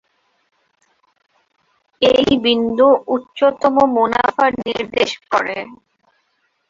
এই বিন্দু উচ্চতম মুনাফা নির্দেশ করে।